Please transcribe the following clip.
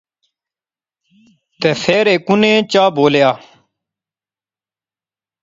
تے فیر ہیک انیں چا بولیا